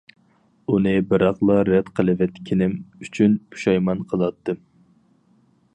ئۇنى بىراقلا رەت قىلىۋەتكىنىم ئۈچۈن پۇشايمان قىلاتتىم.